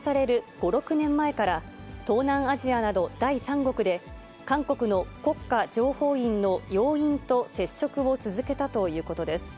５、６年前から、東南アジアなど第三国で、韓国の国家情報院の要員と接触を続けたということです。